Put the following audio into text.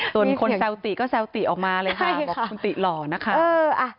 ส่วนคนแซวติก็แซวติออกมาเลยค่ะบอกคุณติหล่อนะคะ